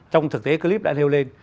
trong thực tế clip đã nêu lên